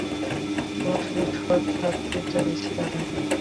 তোমার সাথে সৎ থাকতে চাইছি আমি।